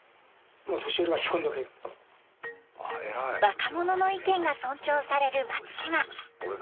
若者の意見が尊重される松島。